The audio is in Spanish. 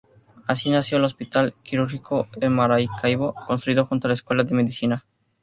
Así nació el Hospital Quirúrgico de Maracaibo, construido junto a la Escuela de Medicina.